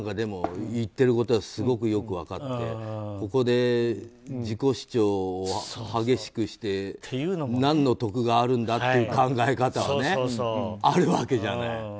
言ってることはすごくよく分かってここで自己主張激しくして何の得があるんだっていう考え方はあるわけじゃない。